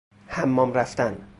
حمام رفتن